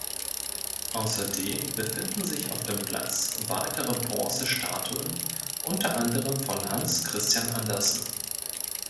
Außerdem befinden sich auf dem Platz weitere Bronzestatuen, unter anderem von Hans Christian Andersen.